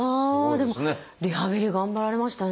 でもリハビリ頑張られましたね。